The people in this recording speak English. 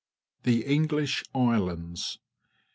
The English Islands.